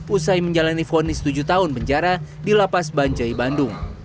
usai menjalani fonis tujuh tahun penjara di lapas banjai bandung